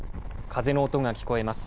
風の音が聞こえます。